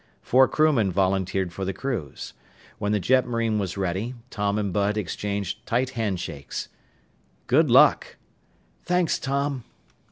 Four crewmen volunteered for the cruise. When the jetmarine was ready, Tom and Bud exchanged tight handshakes. "Good luck!" "Thanks, Tom."